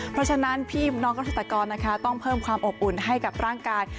เพราะฉะนั้นพี่น้องเกษตรกรนะคะต้องเพิ่มความอบอุ่นให้กับร่างกาย